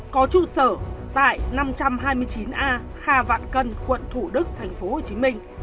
có trụ sở tại năm trăm hai mươi chín a kha vạn cân quận thủ đức thành phố hồ chí minh